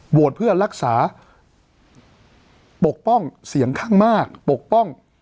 เพื่อรักษาปกป้องเสียงข้างมากปกป้อง